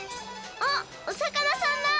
あっおさかなさんだ。